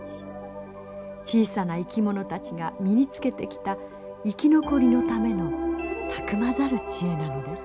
小さな生き物たちが身につけてきた生き残りのためのたくまざる知恵なのです。